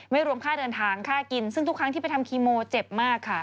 รวมค่าเดินทางค่ากินซึ่งทุกครั้งที่ไปทำคีโมเจ็บมากค่ะ